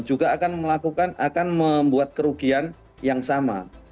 juga akan melakukan akan membuat kerugian yang sama